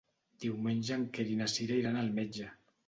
Diumenge en Quer i na Cira iran al metge.